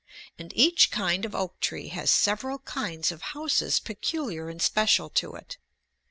And each kind of oak tree has several kinds of houses peculiar and special to it.